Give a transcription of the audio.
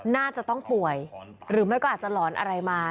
น่าจะต้องป่วยหรือไม่ก็อาจจะหลอนอะไรมา